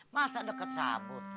masa deket sabut